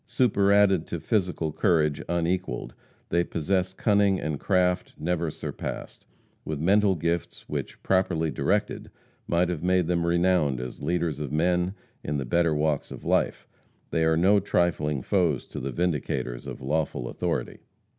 Superadded to physical courage unequalled, they possess cunning and craft never surpassed. With mental gifts which, properly directed, might have made them renowned as leaders of men in the better walks of life, they are no trifling foes to the vindicators of lawful authority.